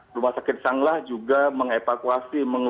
rumah sakit sanglah juga mengevakuasi